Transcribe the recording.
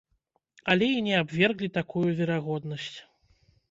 Але і не абверглі такую верагоднасць.